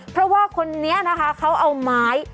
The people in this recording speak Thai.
เพราะว่าคนนี้นะคะเขาเอาไม้